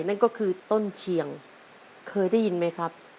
นั่นก็คือต้นเชียงเคยได้ยินไหมครับ